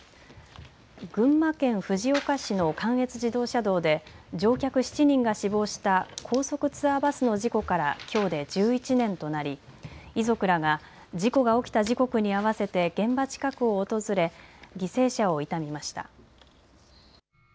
群馬県藤岡市の関越自動車道で乗客７人が死亡した高速ツアーバスの事故からきょうで１１年となり遺族らが事故が起きた時刻に合わせて現場近くを訪れ犠牲者を悼みました。